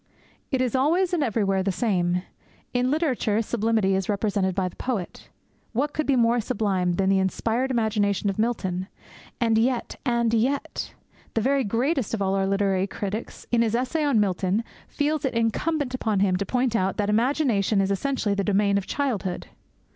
It is always and everywhere the same. In literature sublimity is represented by the poet. What could be more sublime than the inspired imagination of Milton? And yet, and yet! The very greatest of all our literary critics, in his essay on Milton, feels it incumbent upon him to point out that imagination is essentially the domain of childhood.